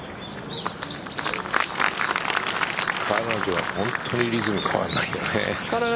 彼女は本当にリズムが変わらないよね。